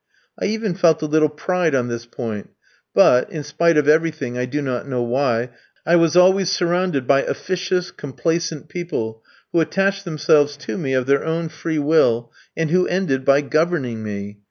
I even felt a little pride on this point; but, in spite of every thing I do not know why I was always surrounded by officious, complaisant people, who attached themselves to me of their own free will, and who ended by governing me.